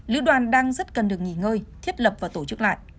lữ đoàn đang rất cần được nghỉ ngơi thiết lập và tổ chức lại